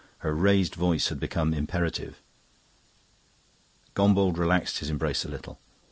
Her raised voice had become imperative. Gombauld relaxed his embrace a little.